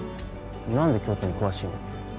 何で京都に詳しいの？